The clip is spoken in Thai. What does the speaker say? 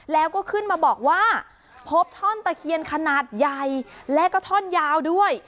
แล้วก็ขึ้นมาบอกว่าพบท่อนตะเคียนขนาดใหญ่และก็ท่อนยาวด้วย